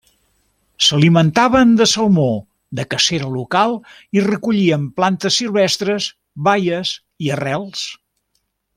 S'alimentaven de salmó, de cacera local i recollien plantes silvestres, baies i arrels.